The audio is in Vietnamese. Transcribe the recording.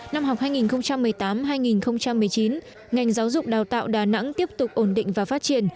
năm học hai nghìn một mươi tám hai nghìn một mươi chín ngành giáo dục đào tạo đà nẵng tiếp tục ổn định và phát triển